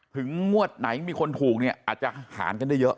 งวดไหนมีคนถูกเนี่ยอาจจะหารกันได้เยอะ